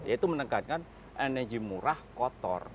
yaitu menekankan energi murah kotor